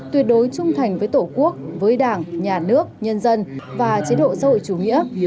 tuyệt đối trung thành với tổ quốc với đảng nhà nước nhân dân và chế độ xã hội chủ nghĩa